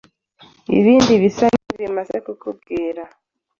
ibindi bisa n’ibi maze kubabwira